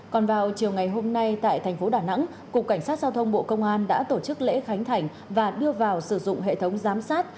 còn vào chiều ngày hôm nay tại thành phố đà nẵng cục cảnh sát giao thông bộ công an đã tổ chức lễ khánh thành và đưa vào sử dụng hệ thống giám sát